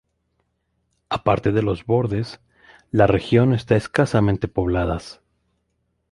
Aparte de los bordes, la región está escasamente pobladas.